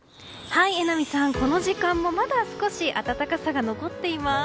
この時間もまだ少し暖かさが残っています。